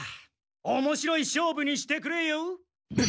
おもしろい勝負にしてくれよ。